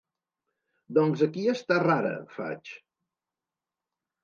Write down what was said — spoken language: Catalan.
Doncs aquí està rara —faig—.